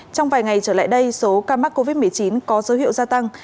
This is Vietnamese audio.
trong vài ngày trở lại đây số ca mắc covid một mươi chín có dấu hiệu gia tăng